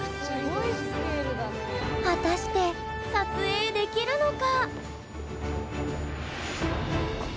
果たして、撮影できるのか？